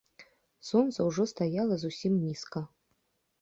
Сонца ўжо стаяла зусім нізка.